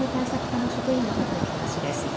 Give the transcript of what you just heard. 課の職員の方の話です。